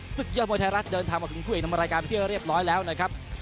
ซึกเยี่ยมมือไทยรัฐเดินทางมาคุณผู้เองทำมารายการเที่ยวเรียบร้อยแล้วนะครับ